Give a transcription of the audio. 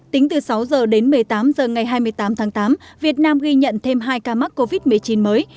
tính từ sáu h đến một mươi tám h ngày hai mươi tám tháng tám việt nam ghi nhận thêm hai ca mắc covid một mươi chín mới